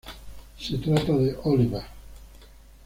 Se trata de "Oliver!